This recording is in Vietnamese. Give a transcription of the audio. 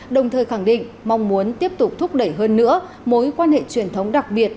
đồng thời khẳng định mong muốn tiếp tục thúc đẩy hơn nữa mối quan hệ truyền thống đặc biệt